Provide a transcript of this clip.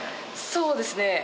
そうですね。